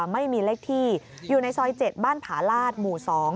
ไม่มีเล็กที่อยู่ในซอยเจ็ดบ้านผลาศหมู่สอง